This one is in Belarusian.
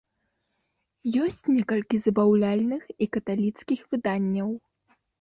Ёсць некалькі забаўляльных і каталіцкіх выданняў.